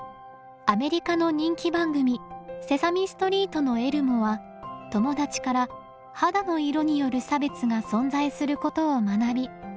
アメリカの人気番組「セサミストリート」のエルモは友だちから肌の色による差別が存在することを学び